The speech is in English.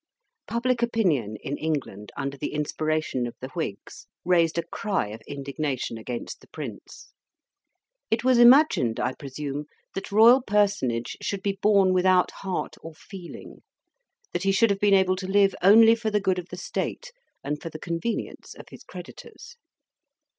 Public opinion in England, under the inspiration of the Whigs, raised a cry of indignation against the Prince. It was imagined, I presume, that royal personage should be born without heart or feeling; that he should have been able to live only for the good of the State and for the convenience of his creditors.